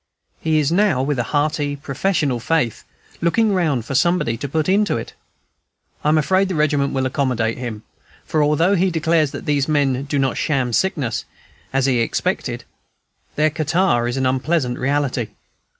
He is now, with a hearty professional faith, looking round for somebody to put into it. I am afraid the regiment will accommodate him; for, although he declares that these men do not sham sickness, as he expected, their catarrh is an unpleasant reality.